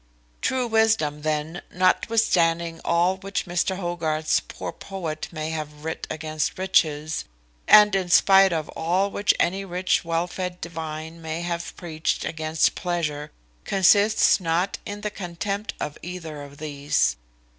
True wisdom then, notwithstanding all which Mr Hogarth's poor poet may have writ against riches, and in spite of all which any rich well fed divine may have preached against pleasure, consists not in the contempt of either of these.